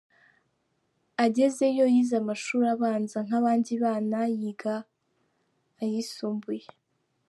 Agezeyo yize amashuri abanza nk’abandi bana, yiga ayisumbuye.